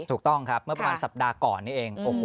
ถูกต้องครับเมื่อประมาณสัปดาห์ก่อนนี้เอง